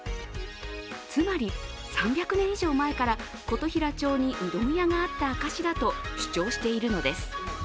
つまり３００年以上前から琴平町にうどん屋があった証しだと主張しているのです。